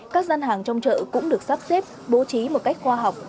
các gian hàng trong chợ cũng được sắp xếp bố trí một cách khoa học